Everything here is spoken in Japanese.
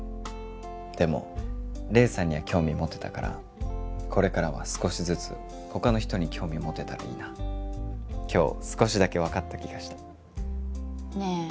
でも黎さんには興味持てたからこれからは少しずつ他の人に興味持てたらいいな今日少しだけ分かった気がしたねえ